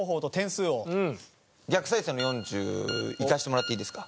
逆再生の４０いかせてもらっていいですか？